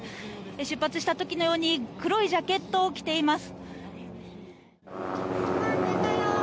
出発した時のように黒いジャケットを着ています。